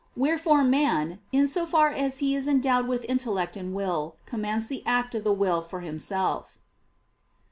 Wherefore man, in so far as he is endowed with intellect and will, commands the act of the will for himself.